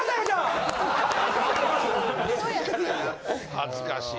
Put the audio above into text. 恥ずかしい。